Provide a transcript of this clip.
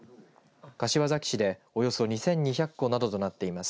柏崎市で、およそ２２００戸などとなっています。